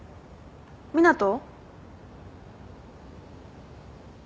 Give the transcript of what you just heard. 湊斗？